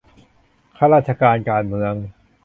ข้าราชการการเมือง